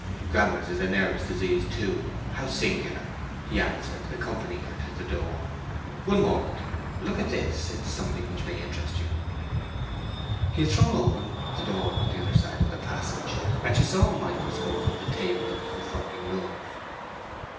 "Grammer's a nervous disease, too—how singular!" he answered, accompanying her to the door. "One moment; look at this—it is something which may interest you." He had thrown open the door on the other side of the passage, and she saw a microscope on the table of the confronting room.